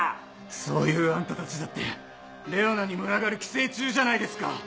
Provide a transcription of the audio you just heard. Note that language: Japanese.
そういうあんたたちだってレオナに群がる寄生虫じゃないですか！